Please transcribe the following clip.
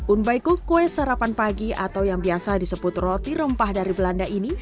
un baikuk kue sarapan pagi atau yang biasa disebut roti rempah dari belanda ini